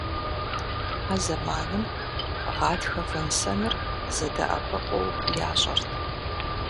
А зэманым гъатхэ вэн-сэныр зэдэӀэпыкъуу ящӀэрт.